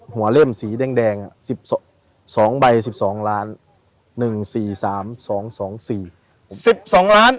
หัวเล่มสีแดงแดงสิบสองใบสิบสองล้านหนึ่งสี่สามสองสองสี่สิบสองล้าน